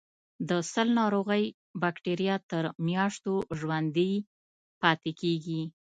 د سل ناروغۍ بکټریا تر میاشتو ژوندي پاتې کیږي.